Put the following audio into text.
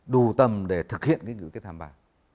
đủ tâm để thực hiện cái nghị quyết thăm ba